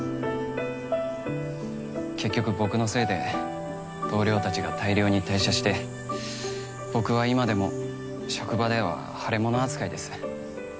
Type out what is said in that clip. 結局僕のせいで同僚たちが大量に退社して僕は今でも職場では腫れ物扱いです。